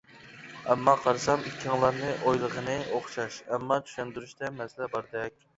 ئەمما قارىسام ئىككىڭلارنى ئويلىغىنى ئوخشاش ئەمما چۈشەندۈرۈشتە مەسىلە باردەك.